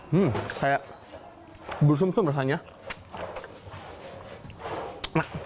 hmm kayak bersum sum rasanya